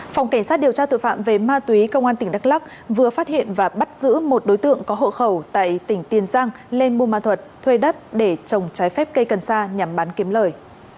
phòng cảnh sát điều tra tội phạm về ma túy công an tỉnh đắk lắc vừa phát hiện và bắt giữ một đối tượng có hộ khẩu tại tỉnh tiền giang lên buôn ma thuật thuê đất để trồng trái phép cây cần sa nhằm bán kiếm lời